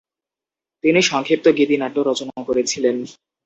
তিনি সংক্ষিপ্ত গীতিনাট্য রচনা করেছিলেন।